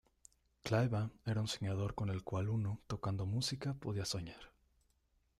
Kleiber era un soñador con el cual uno, tocando música, podía soñar.